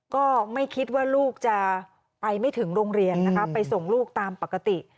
ก็ไม่คิดว่าลูกจะไปไม่ถึงโรงเรียนนะคะไปส่งลูกตามปกติ